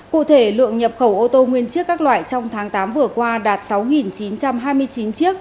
cụ thể lượng nhập khẩu ô tô nguyên chiếc các loại trong tháng tám vừa qua đạt sáu chín trăm hai mươi chín chiếc